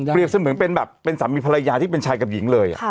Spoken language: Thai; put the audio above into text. เสมือนเป็นแบบเป็นสามีภรรยาที่เป็นชายกับหญิงเลย